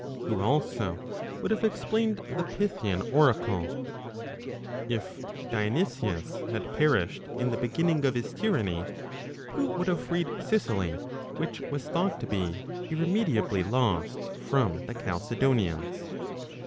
Who also would have explained the Pythian oracle: If Dionysius had perished in the beginning of his tyranny, who would have freed Sicily, which was thought to be irremediably lost, from the Chalcedonians